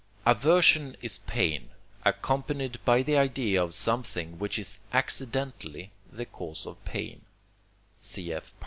Aversion is pain, accompanied by the idea of something which is accidentally the cause of pain (cf.